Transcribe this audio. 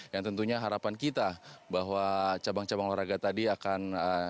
yang tentunya harapan kita bahwa cabang cabang olahraga tadi akan